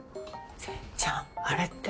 善ちゃんあれって。